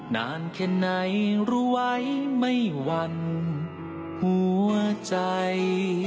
นานแค่ไหนรู้ไว้ไม่วันหัวใจ